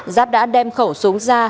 giáp đã đem khẩu súng ra